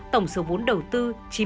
tổng số vốn đầu tư